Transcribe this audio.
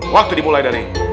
waktu dimulai dari